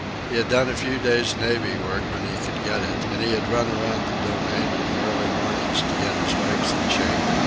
He had done a few days' navvy work when he could get it, and he had run around the Domain in the early mornings to get his legs in shape.